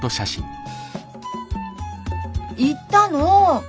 行ったの。